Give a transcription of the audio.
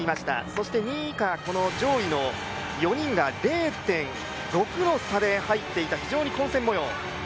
そして２位以下上位の４人が０．６の差で入っていた非常に混戦模様。